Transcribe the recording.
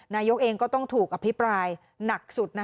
นายกเองก็ต้องถูกอภิปรายหนักสุด